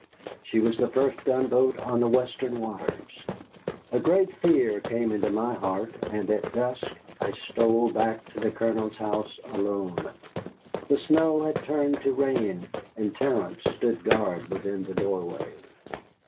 She was the first gunboat on the Western waters. A great fear came into my heart, and at dusk I stole back to the Colonel's house alone. The snow had turned to rain, and Terence stood guard within the doorway.